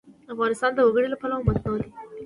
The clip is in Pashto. افغانستان د وګړي له پلوه متنوع دی.